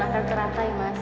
ya nggak ada mengapa giyuh